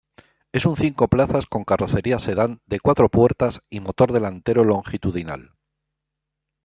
Es un cinco plazas con carrocería sedán de cuatro puertas y motor delantero longitudinal.